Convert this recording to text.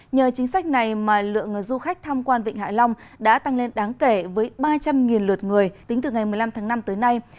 nhờ chính sách này mà lượng du khách tham quan vịnh hạ long đã tăng lên đáng kể với ba trăm linh lượt người tính từ ngày một mươi năm tháng năm tới nay